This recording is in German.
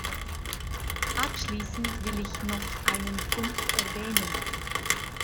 Abschließend will ich noch einen Punkt erwähnen.